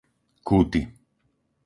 Kúty